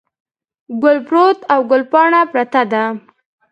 ګل پروت او ګل پاڼه پرته ده.